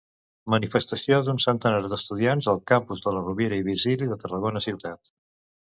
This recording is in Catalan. Manifestació d'un centenar d'estudiants al campus de la Rovira i Virgili de Tarragona ciutat.